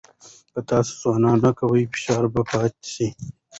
که تاسو سونا نه کوئ، فشار به پاتې شي.